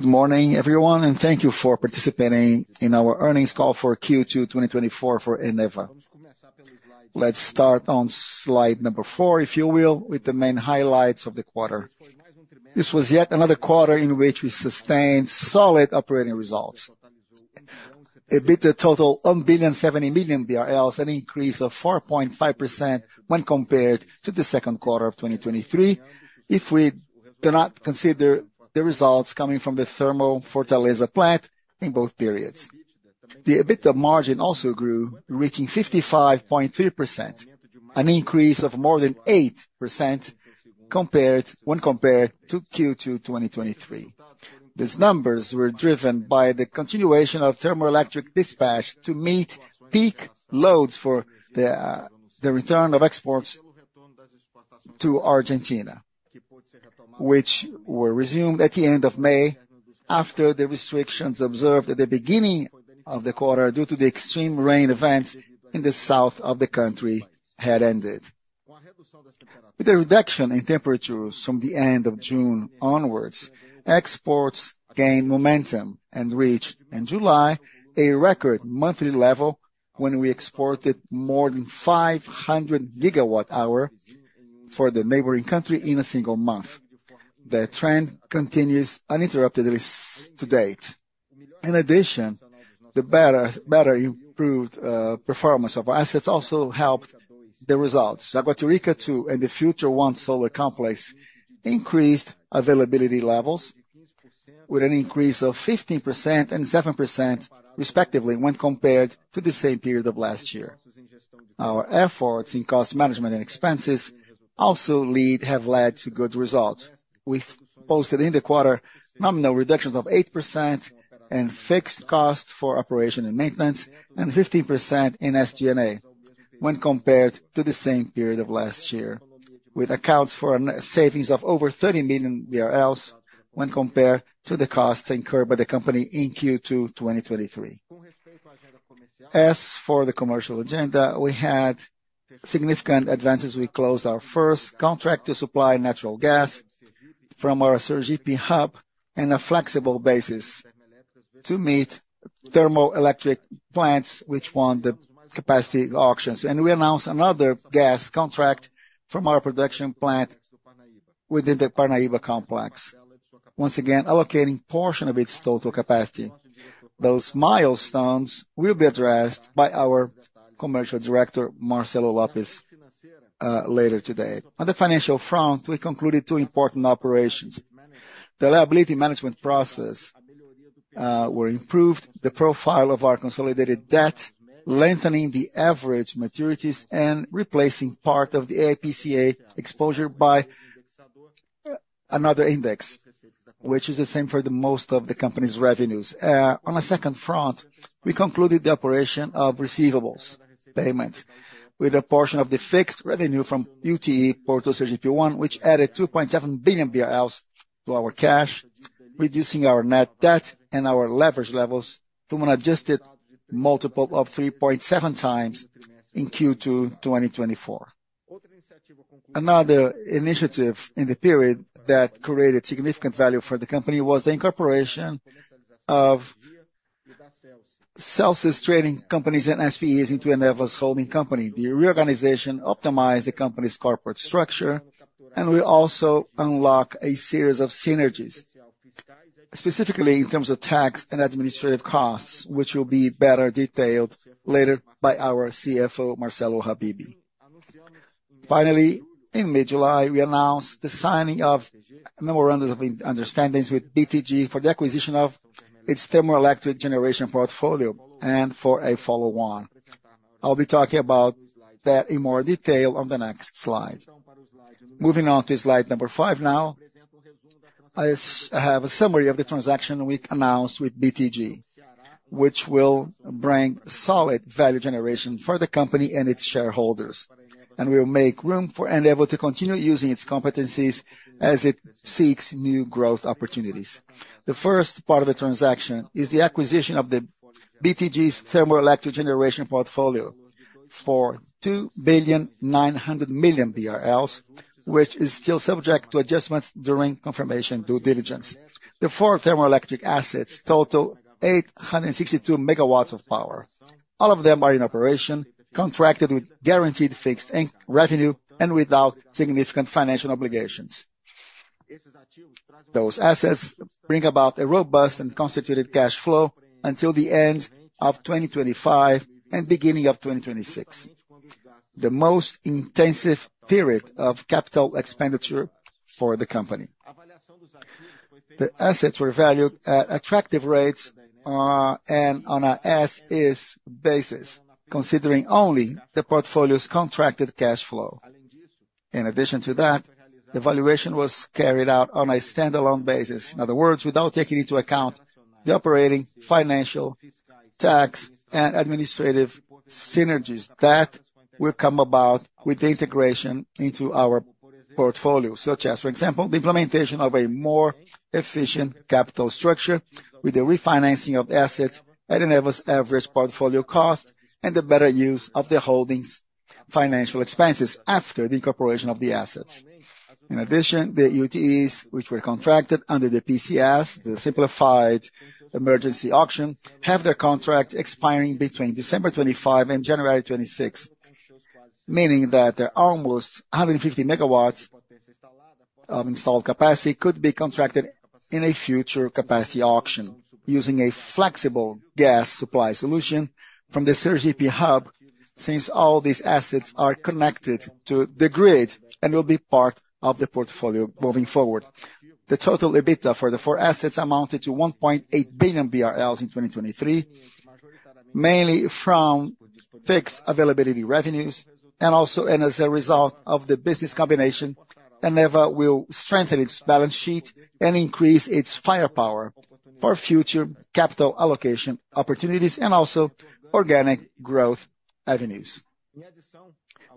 ...Good morning, everyone, and thank you for participating in our earnings call for Q2 2024 for Eneva. Let's start on slide number 4, if you will, with the main highlights of the quarter. This was yet another quarter in which we sustained solid operating results. EBITDA total 1.07 billion, an increase of 4.5% when compared to the second quarter of 2023, if we do not consider the results coming from the thermal Fortaleza plant in both periods. The EBITDA margin also grew, reaching 55.3%, an increase of more than 8% when compared to Q2 2023. These numbers were driven by the continuation of thermoelectric dispatch to meet peak loads for the return of exports to Argentina, which were resumed at the end of May, after the restrictions observed at the beginning of the quarter, due to the extreme rain events in the south of the country had ended. With a reduction in temperatures from the end of June onwards, exports gained momentum and reached, in July, a record monthly level when we exported more than 500 GWh for the neighboring country in a single month. The trend continues uninterruptedly to date. In addition, the better, better improved performance of our assets also helped the results. Jaguatirica II and the Futura I solar complex increased availability levels with an increase of 15% and 7%, respectively, when compared to the same period of last year. Our efforts in cost management and expenses also have led to good results. We've posted in the quarter nominal reductions of 8% and fixed costs for operation and maintenance, and 15% in SG&A when compared to the same period of last year, which accounts for an savings of over 30 million BRL when compared to the cost incurred by the company in Q2 2023. As for the commercial agenda, we had significant advances. We closed our first contract to supply natural gas from our Sergipe hub in a flexible basis to meet thermoelectric plants which won the capacity auctions. We announced another gas contract from our production plant within the Parnaíba complex, once again, allocating portion of its total capacity. Those milestones will be addressed by our Commercial Director, Marcelo Lopes, later today. On the financial front, we concluded 2 important operations. The liability management process were improved, the profile of our consolidated debt, lengthening the average maturities and replacing part of the IPCA exposure by another index, which is the same for the most of the company's revenues. On a second front, we concluded the operation of receivables payments with a portion of the fixed revenue from UTE Porto de Sergipe I, which added 2.7 billion BRL to our cash, reducing our net debt and our leverage levels to an adjusted multiple of 3.7x in Q2 2024. Another initiative in the period that created significant value for the company was the incorporation of CELSE trading companies and SPEs into Eneva's holding company. The reorganization optimized the company's corporate structure, and will also unlock a series of synergies, specifically in terms of tax and administrative costs, which will be better detailed later by our CFO, Marcelo Habibe. Finally, in mid-July, we announced the signing of memorandums of understanding with BTG for the acquisition of its thermoelectric generation portfolio and for a follow-on. I'll be talking about that in more detail on the next slide. Moving on to slide number 5 now, I have a summary of the transaction we announced with BTG, which will bring solid value generation for the company and its shareholders, and will make room for Eneva to continue using its competencies as it seeks new growth opportunities. The first part of the transaction is the acquisition of the BTG's thermoelectric generation portfolio for 2.9 billion, which is still subject to adjustments during confirmation due diligence. The four thermoelectric assets total 862 MWs of power. All of them are in operation, contracted with guaranteed fixed income revenue, and without significant financial obligations. Those assets bring about a robust and constituted cash flow until the end of 2025 and beginning of 2026, the most intensive period of capital expenditure for the company. The assets were valued at attractive rates, and on an as-is basis, considering only the portfolio's contracted cash flow. In addition to that, the valuation was carried out on a standalone basis. In other words, without taking into account the operating, financial, tax and administrative synergies that will come about with the integration into our portfolio, such as, for example, the implementation of a more efficient capital structure with the refinancing of assets at Eneva's average portfolio cost, and the better use of the holdings financial expenses after the incorporation of the assets. In addition, the UTEs, which were contracted under the PCS, the simplified emergency auction, have their contract expiring between December 25 and January 26th, meaning that almost 150 MW of installed capacity could be contracted in a future capacity auction using a flexible gas supply solution from the Sergipe hub, since all these assets are connected to the grid and will be part of the portfolio moving forward. The total EBITDA for the four assets amounted to 1.8 billion BRL in 2023, mainly from fixed availability revenues, and also, and as a result of the business combination, Eneva will strengthen its balance sheet and increase its firepower for future capital allocation opportunities and also organic growth avenues.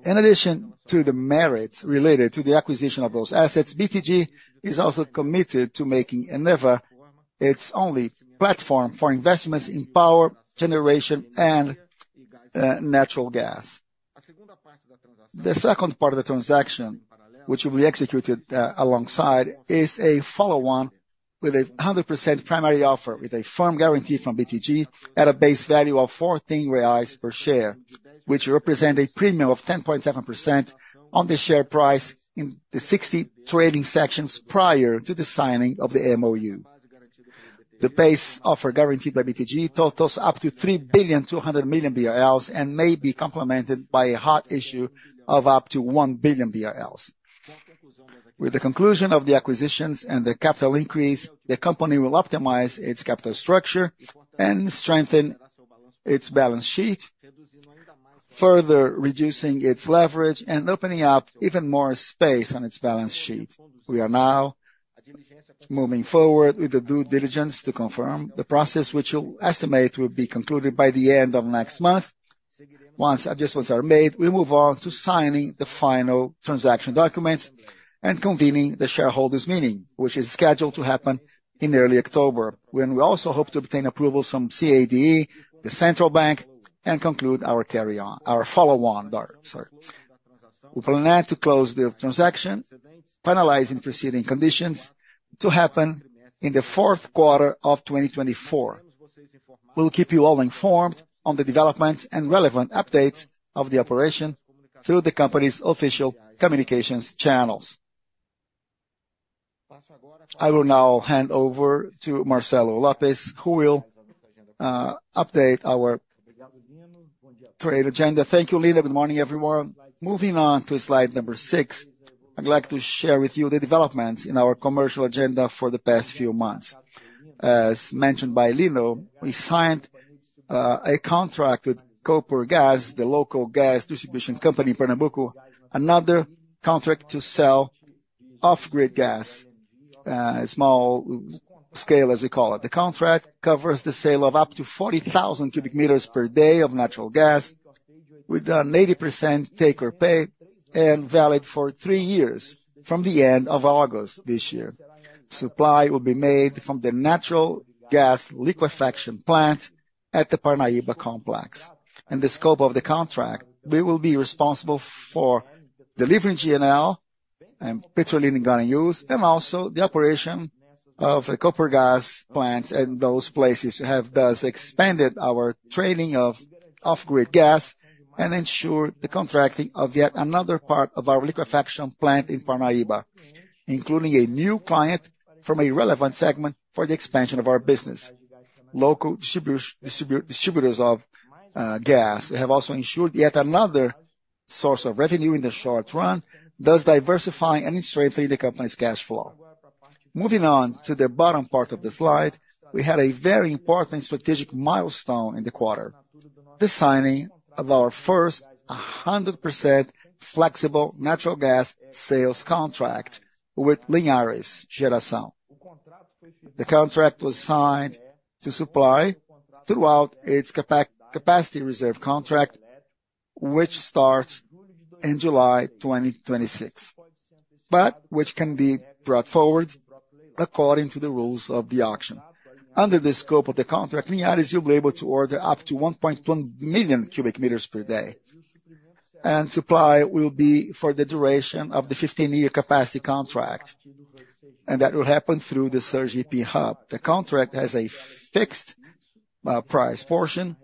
In addition to the merits related to the acquisition of those assets, BTG is also committed to making Eneva its only platform for investments in power, generation, and natural gas. The second part of the transaction, which will be executed alongside, is a follow-on with a 100% primary offer, with a firm guarantee from BTG at a base value of 14 reais per share, which represent a premium of 10.7% on the share price in the 60 trading sessions prior to the signing of the MOU. The base offer guaranteed by BTG totals up to 3.2 billion, and may be complemented by a hot issue of up to 1 billion BRL. With the conclusion of the acquisitions and the capital increase, the company will optimize its capital structure and strengthen its balance sheet, further reducing its leverage and opening up even more space on its balance sheet. We are now moving forward with the due diligence to confirm the process, which we'll estimate will be concluded by the end of next month. Once adjustments are made, we'll move on to signing the final transaction documents and convening the shareholders meeting, which is scheduled to happen in early October, when we also hope to obtain approvals from CADE, the Central Bank, and conclude our follow-on. We plan to close the transaction, finalizing preceding conditions to happen in the fourth quarter of 2024. We'll keep you all informed on the developments and relevant updates of the operation through the company's official communications channels. I will now hand over to Marcelo Lopes, who will update our trade agenda. Thank you, Lino. Good morning, everyone. Moving on to slide number 6, I'd like to share with you the developments in our commercial agenda for the past few months. As mentioned by Lino, we signed a contract with Copergás, the local gas distribution company in Pernambuco, another contract to sell off-grid gas small scale, as we call it. The contract covers the sale of up to 40,000 m³ per day of natural gas, with an 80% take or pay, and valid for 3 years from the end of August this year. Supply will be made from the natural gas liquefaction plant at the Parnaíba complex. In the scope of the contract, we will be responsible for delivering GNL and Petrolina and Garanhuns, and also the operation of the Copergás plants in those places, have thus expanded our trading of off-grid gas and ensure the contracting of yet another part of our liquefaction plant in Parnaíba, including a new client from a relevant segment for the expansion of our business. Local distributors of gas have also ensured yet another source of revenue in the short run, thus diversifying and strengthening the company's cash flow. Moving on to the bottom part of the slide, we had a very important strategic milestone in the quarter: the signing of our first 100% flexible natural gas sales contract with Linhares Geração. The contract was signed to supply throughout its capacity reserve contract, which starts in July 2026, but which can be brought forward according to the rules of the auction. Under the scope of the contract, Linhares will be able to order up to 1.1 million m³ per day, and supply will be for the duration of the 15-year capacity contract, and that will happen through the Sergipe hub. The contract has a fixed price portion,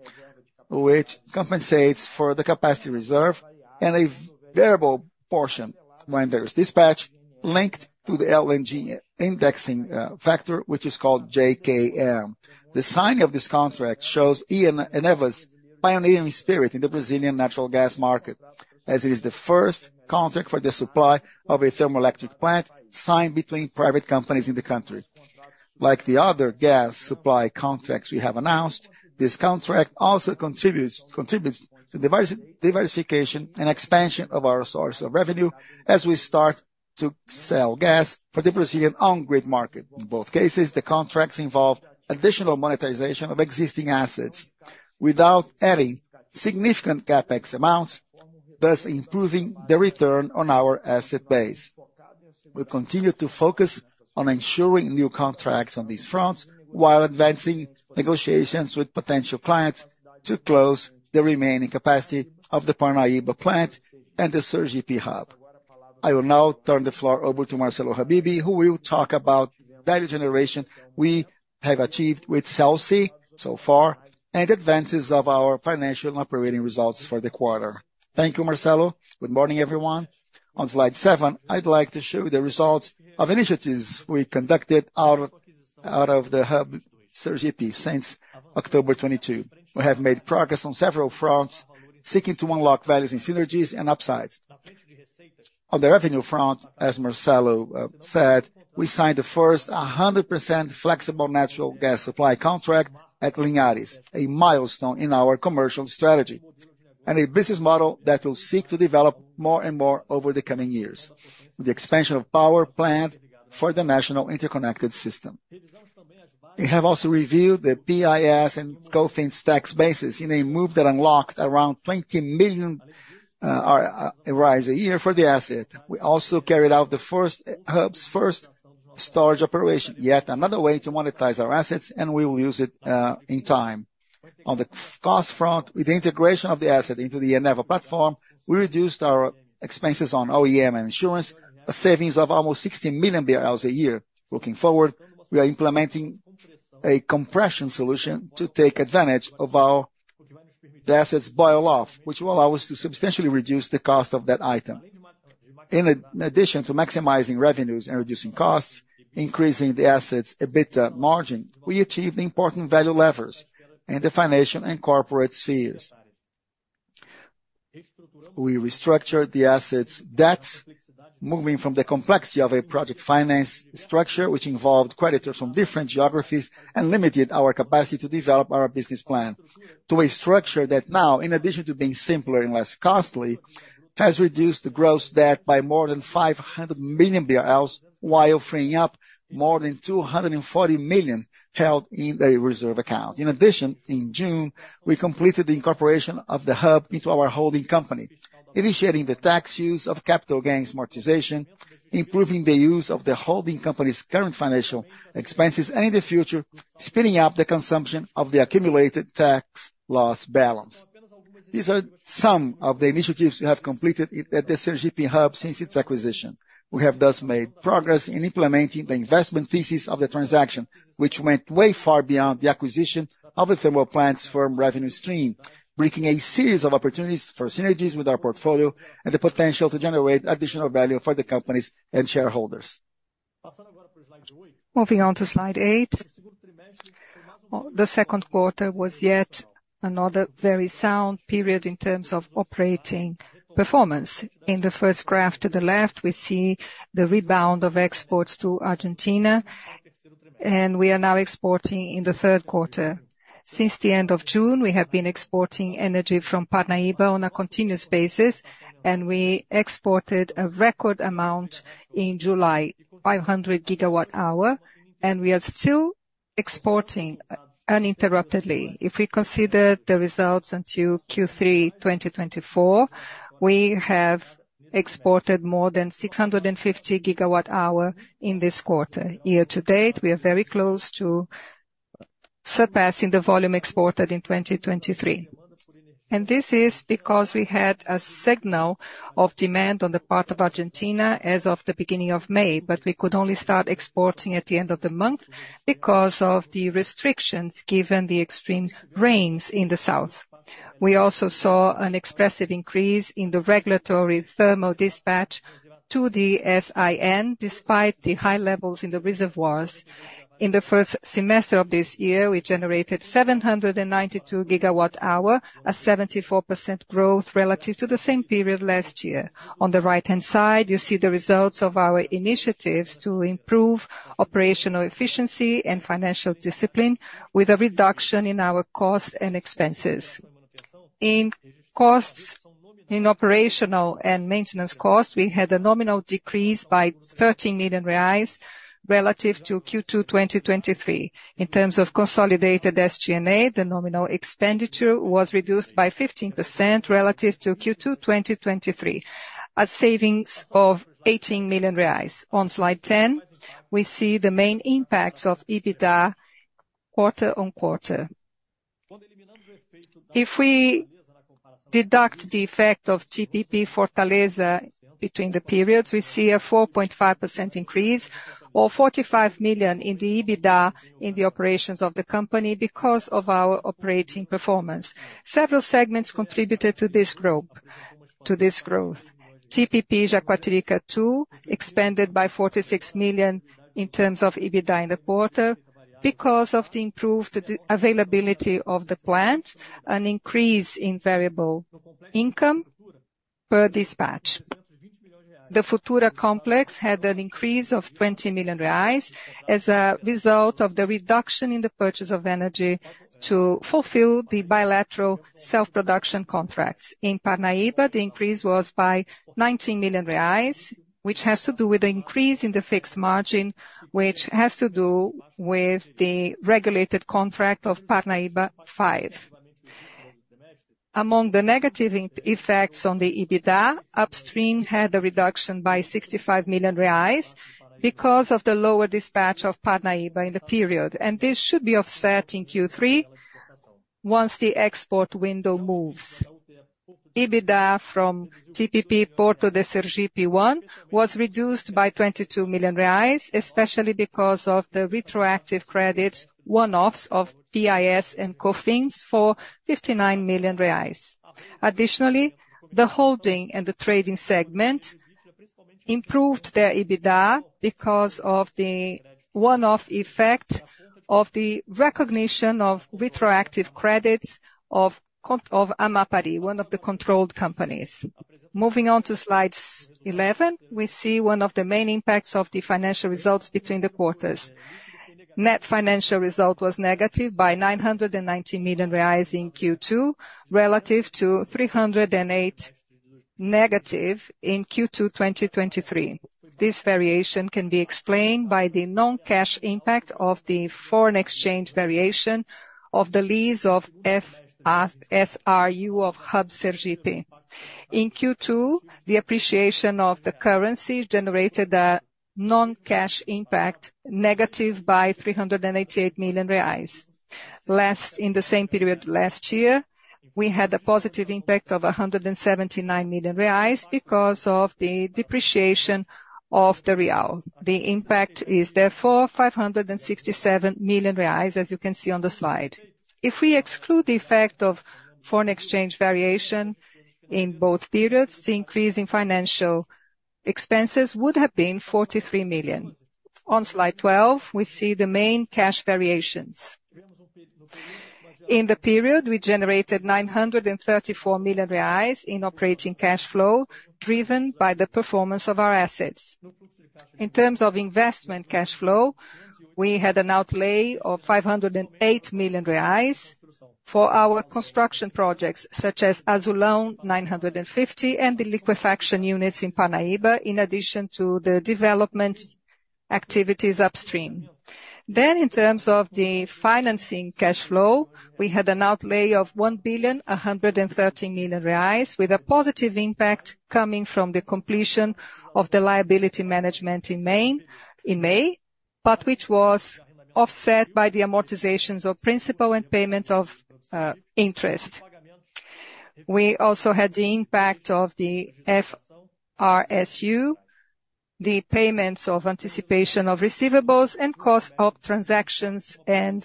which compensates for the capacity reserve and a variable portion when there is dispatch linked to the LNG indexing factor, which is called JKM. The signing of this contract shows Eneva's pioneering spirit in the Brazilian natural gas market, as it is the first contract for the supply of a thermoelectric plant signed between private companies in the country. Like the other gas supply contracts we have announced, this contract also contributes to diversification and expansion of our source of revenue as we start to sell gas for the Brazilian on-grid market. In both cases, the contracts involve additional monetization of existing assets without adding-... significant CapEx amounts, thus improving the return on our asset base. We continue to focus on ensuring new contracts on these fronts, while advancing negotiations with potential clients to close the remaining capacity of the Parnaíba plant and the Sergipe hub. I will now turn the floor over to Marcelo Habibe, who will talk about value generation we have achieved with CELSE so far, and advances of our financial and operating results for the quarter. Thank you, Marcelo. Good morning, everyone. On slide 7, I'd like to show you the results of initiatives we conducted out of the hub Sergipe since October 2022. We have made progress on several fronts, seeking to unlock values in synergies and upsides. On the revenue front, as Marcelo said, we signed the first 100% flexible natural gas supply contract at Linhares, a milestone in our commercial strategy, and a business model that will seek to develop more and more over the coming years, with the expansion of power plant for the national interconnected system. We have also reviewed the PIS and COFINS tax basis in a move that unlocked around 20 million a year for the asset. We also carried out the hub's first storage operation, yet another way to monetize our assets, and we will use it in time. On the cost front, with the integration of the asset into the Eneva platform, we reduced our expenses on OM and insurance, a savings of almost 16 million BRL a year. Looking forward, we are implementing a compression solution to take advantage of the asset's boil off, which will allow us to substantially reduce the cost of that item. In addition to maximizing revenues and reducing costs, increasing the asset's EBITDA margin, we achieved important value levers in the financial and corporate spheres. We restructured the asset's debts, moving from the complexity of a project finance structure, which involved creditors from different geographies and limited our capacity to develop our business plan, to a structure that now, in addition to being simpler and less costly, has reduced the gross debt by more than 500 million BRL, while freeing up more than 240 million held in a reserve account. In addition, in June, we completed the incorporation of the hub into our holding company, initiating the tax use of capital gains amortization, improving the use of the holding company's current financial expenses, and in the future, speeding up the consumption of the accumulated tax loss balance. These are some of the initiatives we have completed at the Sergipe hub since its acquisition. We have thus made progress in implementing the investment thesis of the transaction, which went way far beyond the acquisition of the thermal plants from revenue stream, bringing a series of opportunities for synergies with our portfolio and the potential to generate additional value for the companies and shareholders. Moving on to slide 8. The second quarter was yet another very sound period in terms of operating performance. In the first graph to the left, we see the rebound of exports to Argentina, and we are now exporting in the third quarter. Since the end of June, we have been exporting energy from Parnaíba on a continuous basis, and we exported a record amount in July, 500 GWh, and we are still exporting uninterruptedly. If we consider the results until Q3, 2024, we have exported more than 650 GWh in this quarter. Year to date, we are very close to surpassing the volume exported in 2023. This is because we had a signal of demand on the part of Argentina as of the beginning of May, but we could only start exporting at the end of the month because of the restrictions, given the extreme rains in the south. We also saw an expressive increase in the regulatory thermal dispatch to the SIN, despite the high levels in the reservoirs. In the first semester of this year, we generated 792 GWh, a 74% growth relative to the same period last year. On the right-hand side, you see the results of our initiatives to improve operational efficiency and financial discipline, with a reduction in our costs and expenses. In costs, in operational and maintenance costs, we had a nominal decrease by 13 million reais relative to Q2 2023. In terms of consolidated SG&A, the nominal expenditure was reduced by 15% relative to Q2 2023, a savings of 18 million reais. On Slide 10, we see the main impacts of EBITDA quarter on quarter. If we deduct the effect of TPP Fortaleza between the periods, we see a 4.5% increase or 45 million in the EBITDA in the operations of the company because of our operating performance. Several segments contributed to this growth, to this growth. TPP Jaguatirica II expanded by 46 million in terms of EBITDA in the quarter because of the improved availability of the plant, an increase in variable income per dispatch. The Futura complex had an increase of 20 million reais as a result of the reduction in the purchase of energy to fulfill the bilateral self-production contracts. In Parnaíba, the increase was by 19 million reais, which has to do with the increase in the fixed margin, which has to do with the regulated contract of Parnaíba V. Among the negative impacts on the EBITDA, upstream had a reduction by 65 million reais because of the lower dispatch of Parnaíba in the period, and this should be offset in Q3 once the export window moves. EBITDA from TPP Porto de Sergipe I was reduced by 22 million reais, especially because of the retroactive credits one-offs of PIS and COFINS for 59 million reais. Additionally, the holding and the trading segment improved their EBITDA because of the one-off effect of the recognition of retroactive credits of Amapari, one of the controlled companies. Moving on to slide 11, we see one of the main impacts of the financial results between the quarters. Net financial result was negative by 990 million reais in Q2, relative to 308 million negative in Q2 2023. This variation can be explained by the non-cash impact of the foreign exchange variation of the lease of FSRU of Hub Sergipe. In Q2, the appreciation of the currency generated a non-cash impact, negative by 388 million reais. In the same period last year, we had a positive impact of 179 million reais because of the depreciation of the real. The impact is therefore 567 million reais, as you can see on the slide. If we exclude the effect of foreign exchange variation in both periods, the increase in financial expenses would have been 43 million. On slide 12, we see the main cash variations. In the period, we generated 934 million reais in operating cash flow, driven by the performance of our assets. In terms of investment cash flow, we had an outlay of 508 million reais for our construction projects, such as Azulão, 950, and the liquefaction units in Parnaíba, in addition to the development activities upstream. In terms of the financing cash flow, we had an outlay of 1,113 million reais, with a positive impact coming from the completion of the liability management in May, but which was offset by the amortizations of principal and payment of interest. We also had the impact of the FSRU, the payments of anticipation of receivables and cost of transactions and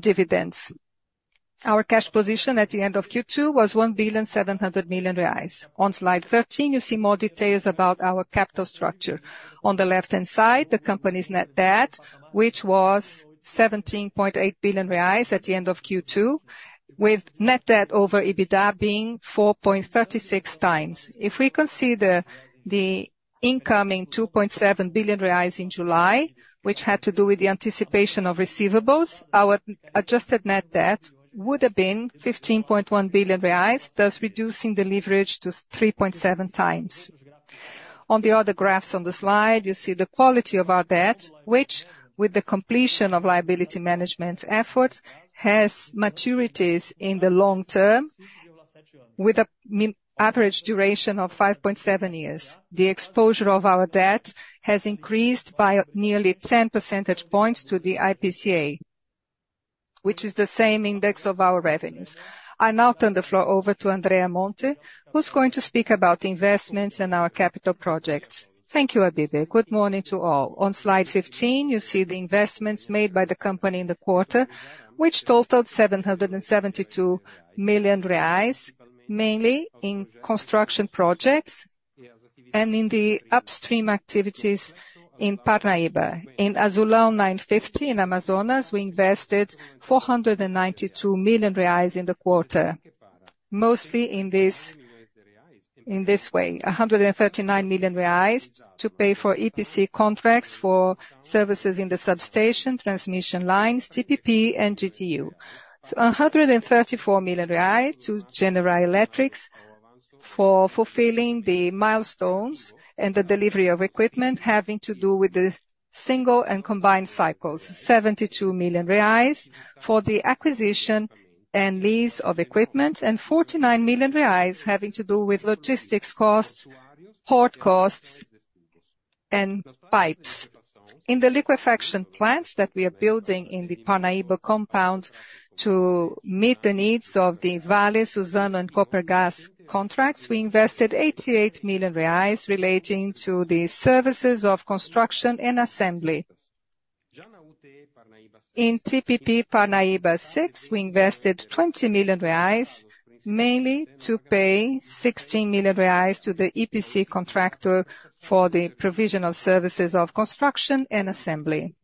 dividends. Our cash position at the end of Q2 was 1.7 billion reais. On slide 13, you see more details about our capital structure. On the left-hand side, the company's net debt, which was 17.8 billion reais at the end of Q2, with net debt over EBITDA being 4.36x. If we consider the incoming 2.7 billion reais in July, which had to do with the anticipation of receivables, our adjusted net debt would have been 15.1 billion reais, thus reducing the leverage to 3.7x. On the other graphs on the slide, you see the quality of our debt, which, with the completion of liability management efforts, has maturities in the long term, with an average duration of 5.7 years. The exposure of our debt has increased by nearly 10 percentage points to the IPCA, which is the same index of our revenues. I now turn the floor over to Andrea Monte, who's going to speak about investments and our capital projects. Thank you, Habib. Good morning to all. On slide 15, you see the investments made by the company in the quarter, which totaled 772 million reais, mainly in construction projects and in the upstream activities in Parnaíba. In Azulão 950 in Amazonas, we invested 492 million reais in the quarter, mostly in this, in this way: 139 million reais to pay for EPC contracts for services in the substation, transmission lines, TPP and GTU. 134 million reais to General Electric for fulfilling the milestones and the delivery of equipment having to do with the single and combined cycles. 72 million reais for the acquisition and lease of equipment, and 49 million reais having to do with logistics costs, port costs, and pipes. In the liquefaction plants that we are building in the Parnaíba compound to meet the needs of the Vale, Suzano and Copergás contracts, we invested 88 million reais relating to the services of construction and assembly. In TPP Parnaíba VI, we invested 20 million reais, mainly to pay 16 million reais to the EPC contractor for the provision of services of construction and assembly.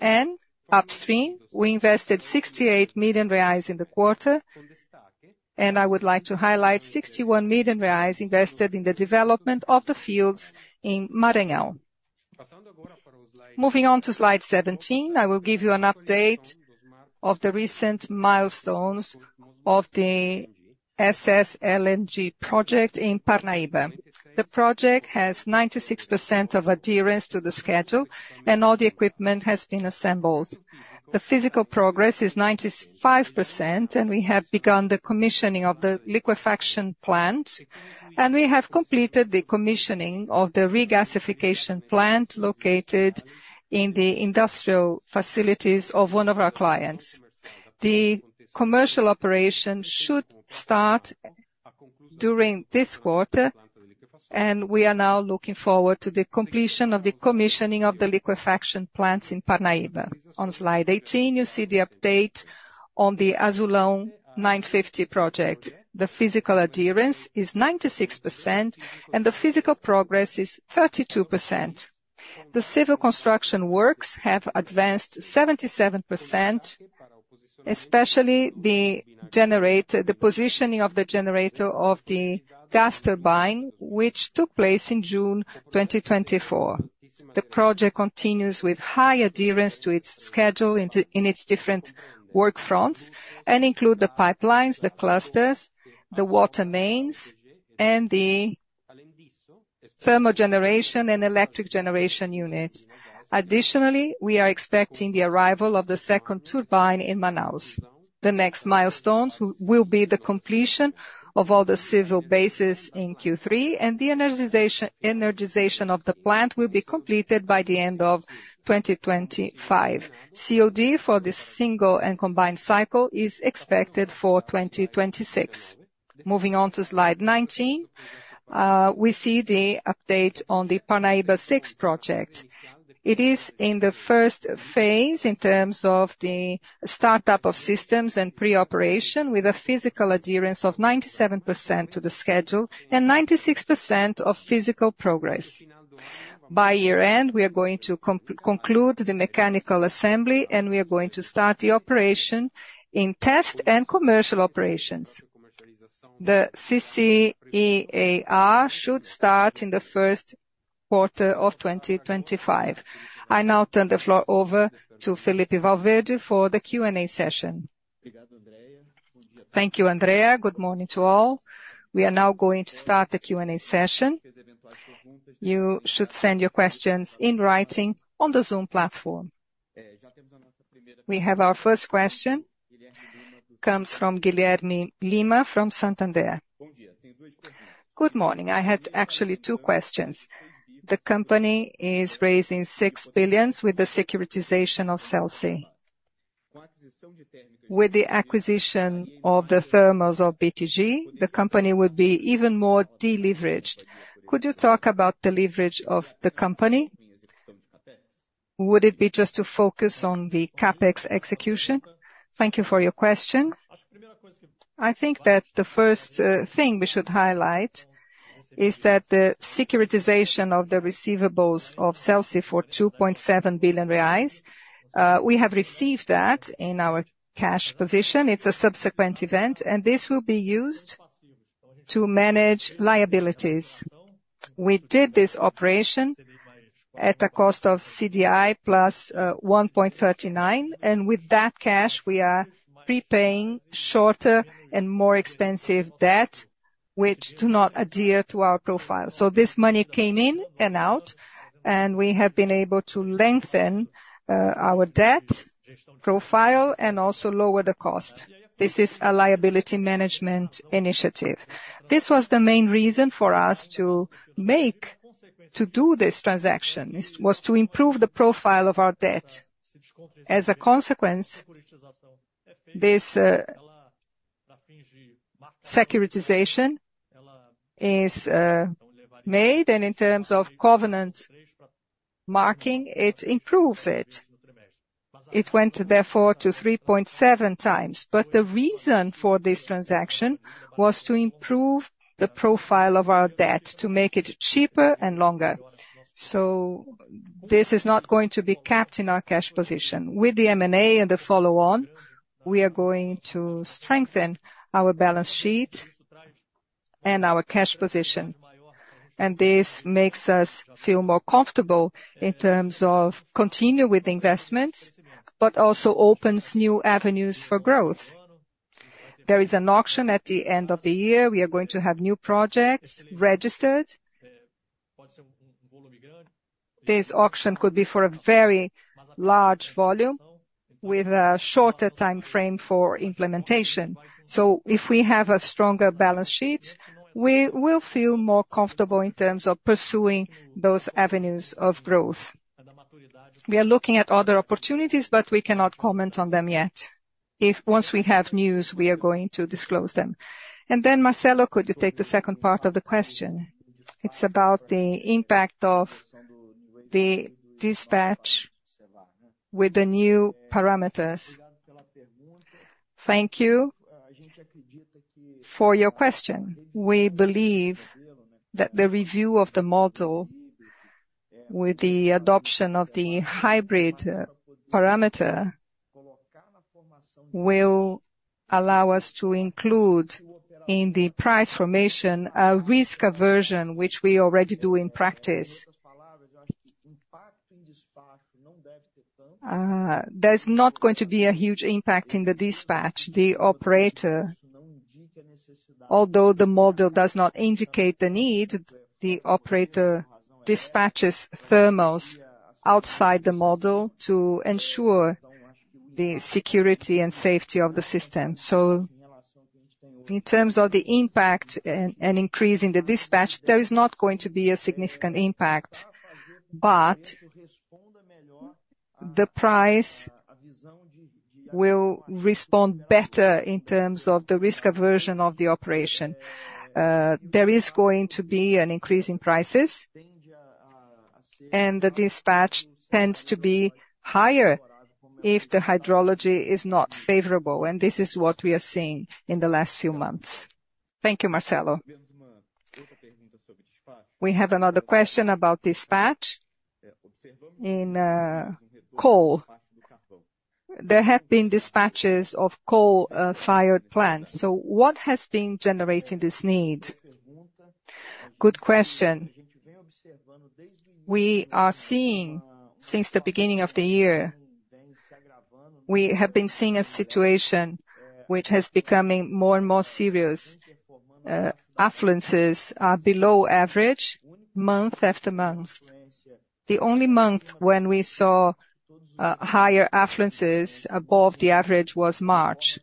And upstream, we invested 68 million reais in the quarter, and I would like to highlight 61 million reais invested in the development of the fields in Maranhão. Moving on to slide 17, I will give you an update of the recent milestones of the SSLNG project in Parnaíba. The project has 96% of adherence to the schedule, and all the equipment has been assembled. The physical progress is 95%, and we have begun the commissioning of the liquefaction plant, and we have completed the commissioning of the regasification plant located in the industrial facilities of one of our clients. The commercial operation should start during this quarter, and we are now looking forward to the completion of the commissioning of the liquefaction plants in Parnaíba. On Slide 18, you see the update on the Azulão 950 project. The physical adherence is 96%, and the physical progress is 32%. The civil construction works have advanced 77%, especially the generator, the positioning of the generator of the gas turbine, which took place in June 2024. The project continues with high adherence to its schedule in its different work fronts and include the pipelines, the clusters, the water mains, and the thermogeneration and electric generation units. Additionally, we are expecting the arrival of the second turbine in Manaus. The next milestones will be the completion of all the civil bases in Q3, and the energization of the plant will be completed by the end of 2025. COD for the single and combined cycle is expected for 2026. Moving on to Slide 19, we see the update on the Parnaíba VI project. It is in the first phase in terms of the startup of systems and pre-operation, with a physical adherence of 97% to the schedule and 96% of physical progress. By year-end, we are going to conclude the mechanical assembly, and we are going to start the operation in test and commercial operations. The CCEAR should start in the first quarter of 2025. I now turn the floor over to Felipe Valverde for the Q&A session. Thank you, Andrea. Good morning to all. We are now going to start the Q&A session. You should send your questions in writing on the Zoom platform. We have our first question. Comes from Guilherme Lima, from Santander. Good morning. I have actually two questions. The company is raising 6 billion with the securitization of CELSE. With the acquisition of the thermals of BTG, the company would be even more deleveraged. Could you talk about the leverage of the company? Would it be just to focus on the CapEx execution? Thank you for your question. I think that the first thing we should highlight is that the securitization of the receivables of CELSE for 2.7 billion reais, we have received that in our cash position. It's a subsequent event, and this will be used to manage liabilities. We did this operation at a cost of CDI +1.39, and with that cash, we are prepaying shorter and more expensive debt which do not adhere to our profile. So this money came in and out, and we have been able to lengthen our debt profile and also lower the cost. This is a liability management initiative. This was the main reason for us to make, to do this transaction. This was to improve the profile of our debt. As a consequence, this securitization is made, and in terms of covenant marking, it improves it. It went, therefore, to 3.7x. But the reason for this transaction was to improve the profile of our debt, to make it cheaper and longer. So this is not going to be capped in our cash position. With the M&A and the follow-on, we are going to strengthen our balance sheet and our cash position, and this makes us feel more comfortable in terms of continue with the investments, but also opens new avenues for growth. There is an auction at the end of the year. We are going to have new projects registered. This auction could be for a very large volume with a shorter timeframe for implementation. So if we have a stronger balance sheet, we will feel more comfortable in terms of pursuing those avenues of growth. We are looking at other opportunities, but we cannot comment on them yet. If, once we have news, we are going to disclose them. And then, Marcelo, could you take the second part of the question? It's about the impact of the dispatch with the new parameters. Thank you for your question. We believe that the review of the model with the adoption of the hybrid parameter will allow us to include in the price formation, a risk aversion, which we already do in practice. There's not going to be a huge impact in the dispatch. The operator, although the model does not indicate the need, the operator dispatches thermals outside the model to ensure the security and safety of the system. So in terms of the impact and increasing the dispatch, there is not going to be a significant impact. But the price will respond better in terms of the risk aversion of the operation. There is going to be an increase in prices, and the dispatch tends to be higher if the hydrology is not favorable, and this is what we are seeing in the last few months. Thank you, Marcelo. We have another question about dispatch. In coal, there have been dispatches of coal fired plants. So what has been generating this need? Good question. We are seeing since the beginning of the year, we have been seeing a situation which has becoming more and more serious. Affluences are below average, month after month. The only month when we saw higher affluences above the average was March.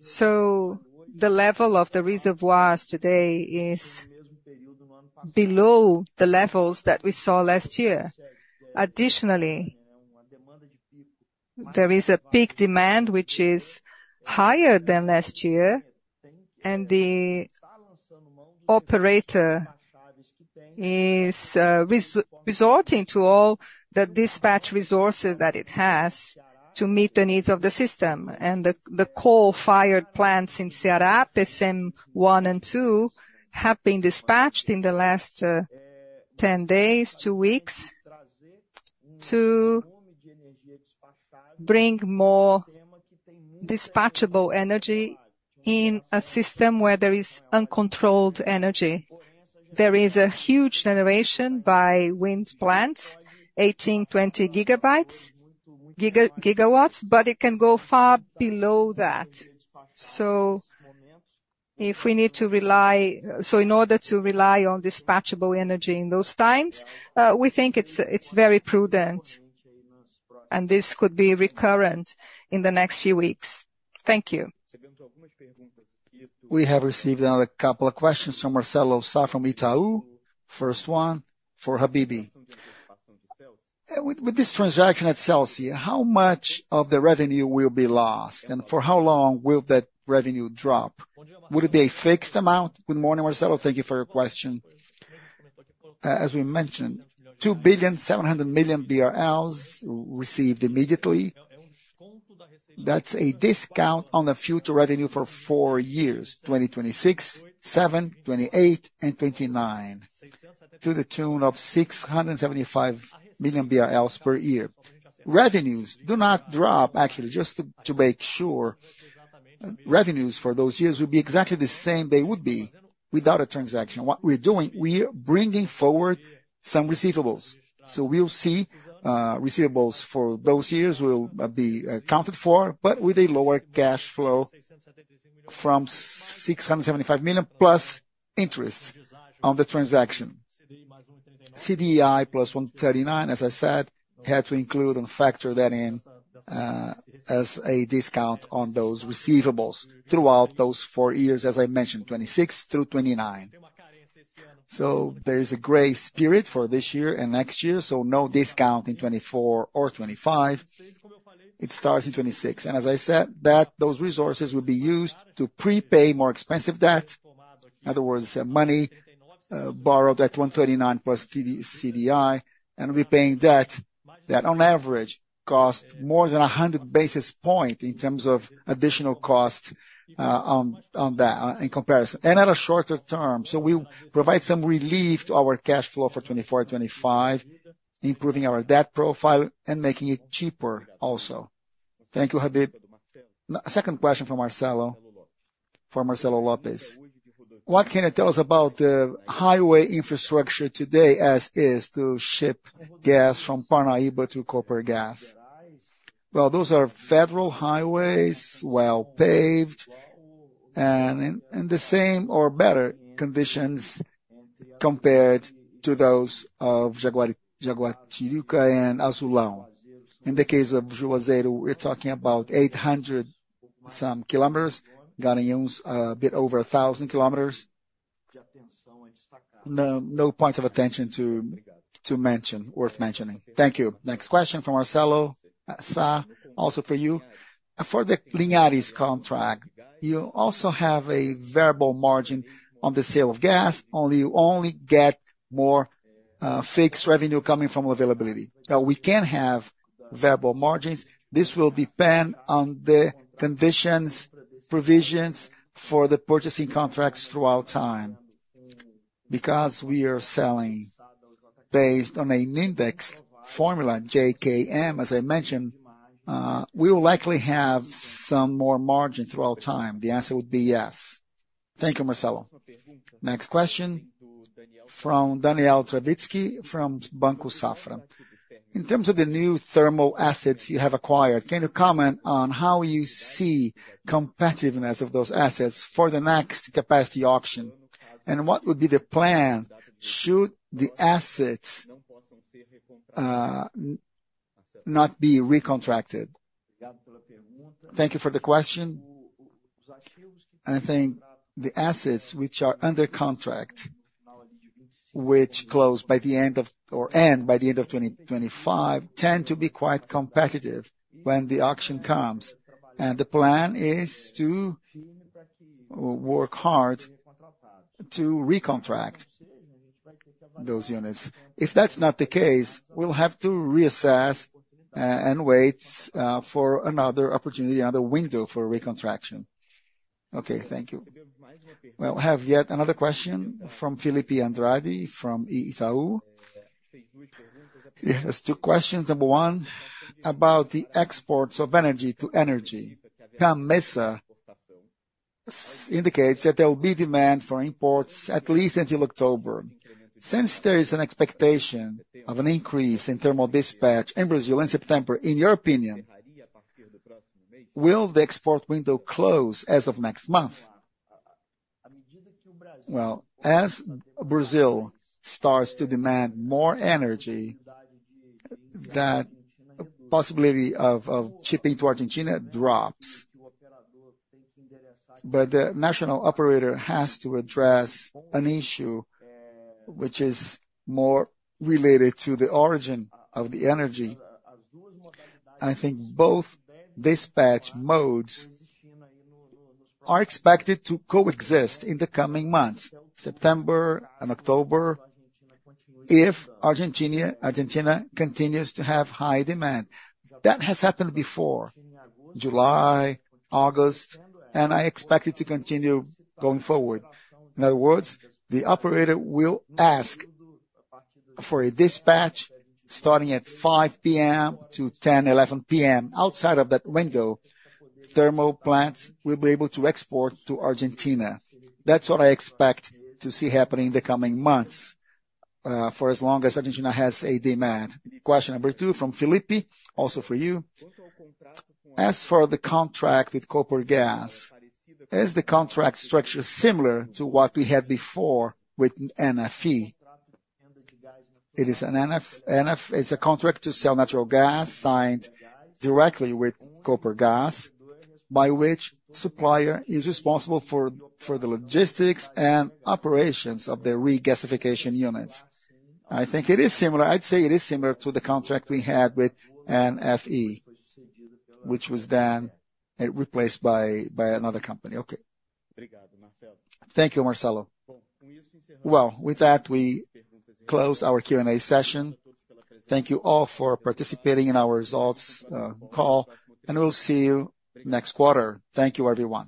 The level of the reservoirs today is below the levels that we saw last year. Additionally, there is a peak demand which is higher than last year, and the operator is resorting to all the dispatch resources that it has to meet the needs of the system. The coal-fired plants in Ceará, Pecém I and II, have been dispatched in the last 10 days, two weeks, to bring more dispatchable energy in a system where there is uncontrolled energy. There is a huge generation by wind plants, 18-20 GW, but it can go far below that. So in order to rely on dispatchable energy in those times, we think it's very prudent, and this could be recurrent in the next few weeks. Thank you. We have received another couple of questions from Marcelo Sá, from Itaú. First one, for Habibe. With this transaction at CELSE, how much of the revenue will be lost, and for how long will that revenue drop? Would it be a fixed amount? Good morning, Marcelo. Thank you for your question. As we mentioned, 2.7 billion received immediately. That's a discount on the future revenue for four years, 2026, 2027, 2028 and 2029, to the tune of 675 million BRL per year. Revenues do not drop, actually, just to make sure. Revenues for those years will be exactly the same they would be without a transaction. What we're doing, we are bringing forward some receivables. So we'll see, receivables for those years will be accounted for, but with a lower cash flow from 675 million, plus interest on the transaction. CDI plus 139, as I said, had to include and factor that in, as a discount on those receivables throughout those four years, as I mentioned, 2026 through 2029. So there is a grace period for this year and next year, so no discount in 2024 or 2025. It starts in 2026. And as I said, those resources will be used to prepay more expensive debt. In other words, money borrowed at 139 plus CDI, and repaying debt that on average, cost more than 100 basis points in terms of additional cost, on that, in comparison, and at a shorter term. So we'll provide some relief to our cash flow for 2024, 2025, improving our debt profile and making it cheaper also. Thank you, Habib. Now, second question from Marcelo, for Marcelo Lopes: What can you tell us about the highway infrastructure today, as is, to ship gas from Parnaíba to Copergás? Well, those are federal highways, well-paved, and in the same or better conditions compared to those of Jaguatirica and Azulão. In the case of Juazeiro, we're talking about 800-some km. Garanhuns, a bit over 1,000 km. No points of attention to mention, worth mentioning. Thank you. Next question from Marcelo, Sa, also for you. For the Linhares contract, you also have a variable margin on the sale of gas, only you only get more fixed revenue coming from availability. We can have variable margins. This will depend on the conditions, provisions for the purchasing contracts throughout time. Because we are selling based on an index formula, JKM, as I mentioned, we will likely have some more margin throughout time. The answer would be yes. Thank you, Marcelo. Next question? From Daniel Travitzky, from Banco Safra. In terms of the new thermal assets you have acquired, can you comment on how you see competitiveness of those assets for the next capacity auction? And what would be the plan should the assets, not be recontracted? Thank you for the question. I think the assets which are under contract, which end by the end of 2025, tend to be quite competitive when the auction comes, and the plan is to work hard to recontract those units. If that's not the case, we'll have to reassess and wait for another opportunity, another window for recontraction. Okay, thank you. Well, I have yet another question from Felipe Andrade, from Itaú. He has two questions. Number one, about the exports of energy to Argentina. CAMMESA indicates that there will be demand for imports at least until October. Since there is an expectation of an increase in thermal dispatch in Brazil in September, in your opinion, will the export window close as of next month? Well, as Brazil starts to demand more energy, that possibility of shipping to Argentina drops. But the national operator has to address an issue which is more related to the origin of the energy. I think both dispatch modes are expected to coexist in the coming months, September and October, if Argentina continues to have high demand. That has happened before, July, August, and I expect it to continue going forward. In other words, the operator will ask for a dispatch starting at 5:00 P.M. to 10:00 P.M., 11:00 P.M. Outside of that window, thermal plants will be able to export to Argentina. That's what I expect to see happening in the coming months for as long as Argentina has a demand. Question number 2 from Felipe, also for you. As for the contract with Copergás, is the contract structure similar to what we had before with NFE? It is an NFE. It's a contract to sell natural gas, signed directly with Copergás, by which supplier is responsible for the logistics and operations of the regasification units. I think it is similar. I'd say it is similar to the contract we had with NFE, which was then replaced by another company. Okay. Thank you, Marcelo. Well, with that, we close our Q&A session. Thank you all for participating in our results call, and we'll see you next quarter. Thank you, everyone.